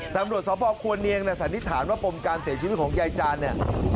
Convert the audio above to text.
ตำรวจสพควรเนียงสันนิษฐานว่าปมการเสียชีวิตของยายจานเนี่ย